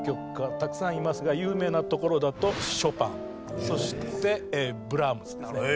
たくさんいますが有名なところだとショパンそしてブラームスですね。